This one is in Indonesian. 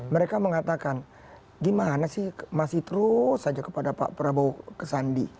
mereka mengatakan gimana sih masih terus saja kepada pak prabowo ke sandi